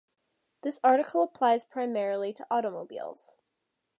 This article applies primarily to automobiles.